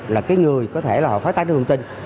là cái người có thể là họ phát tán được thông tin